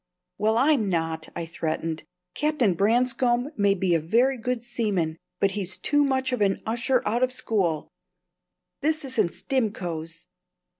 "Well, I'm not," I threatened. "Captain Branscome may be a very good seaman but he's too much of an usher out of school. This isn't Stimcoe's."